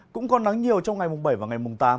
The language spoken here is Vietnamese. cũng còn nắng nhiều trong ngày mùng bảy và ngày mùng tám